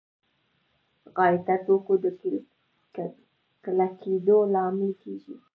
غایطه توکو د کلکېدو لامل کېږي.